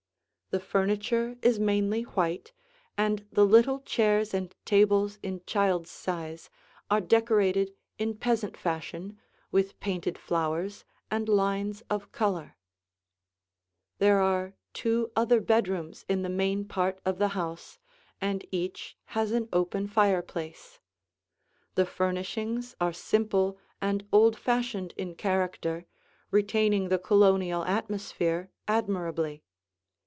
The furniture is mainly white, and the little chairs and tables in child's size are decorated in peasant fashion with painted flowers and lines of color. [Illustration: Two of the Chambers] There are two other bedrooms in the main part of the house and each has an open fireplace. The furnishings are simple and old fashioned in character, retaining the Colonial atmosphere admirably.